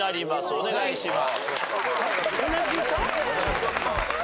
お願いします。